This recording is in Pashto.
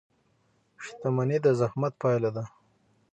• شتمني د زحمت پایله ده.